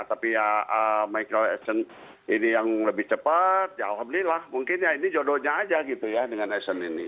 tapi ya micro asian ini yang lebih cepat ya alhamdulillah mungkin ya ini jodohnya aja gitu ya dengan asian ini